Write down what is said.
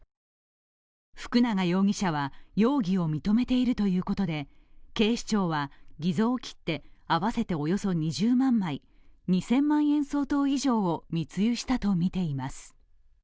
福永容疑者は容疑を認めているということで、警視庁は偽造切手合わせておよそ２０万枚、２０００万円相当以上を密輸したとみています。